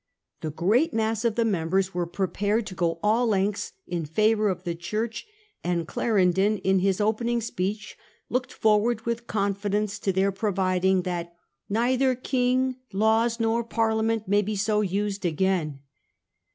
The great mass of the members were prepared to go all lengths in favour of the Church, and Clarendon in his opening speech looked forward with confidence to their providing that ' neither King, laws, nor Parliament may be so used again.